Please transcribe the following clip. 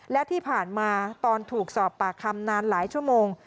และที่ผ่านมาตอนถูกสอบปากคำนานหลายชั่วโมง